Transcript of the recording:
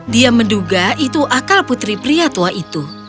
dia menduga itu akal putri pria tua itu